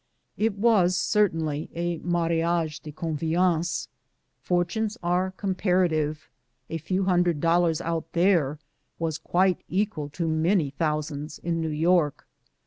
It was cer tainly a mariage de conveyance. Fortunes are compar ative ; a few hundred dollars out there was quite equal to many thousands in New York.